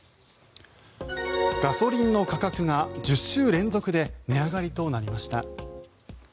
ガソリンの価格が１０週連続で値上がりとなりました。